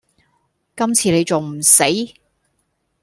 今次你仲唔死